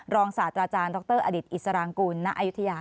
รองศาสตร์อาจารย์ดรอดิษรางกูลณอายุทยา